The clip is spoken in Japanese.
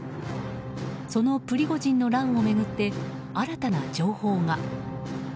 そのプリゴジンの乱を巡って新たな情報が。